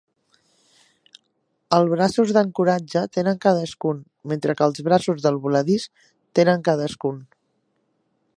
El braços d'ancoratge tenen cadascun, mentre que els braços del voladís tenen cadascun.